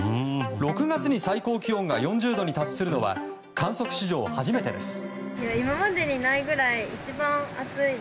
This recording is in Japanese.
６月に最高気温が４０度に達するのは観測史上初めてです。